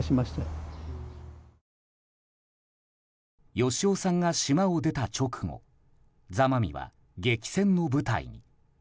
芳雄さんが島を出た直後座間味は激戦の舞台に。